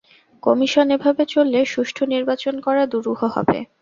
Commission এভাবে চললে সুষ্ঠু নির্বাচন করা দুরূহ হবে।